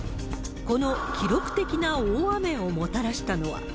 この記録的な大雨をもたらしたのは。